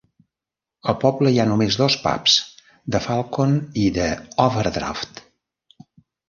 Al poble hi ha només dos pubs: "The Falcon" i "The Overdraught".